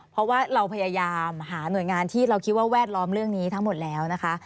เพราะว่าเราพยายามหาหน่วยงานที่เราคิดว่าแวดล้อมเรื่องนี้ทั้งหมดแล้วนะคะ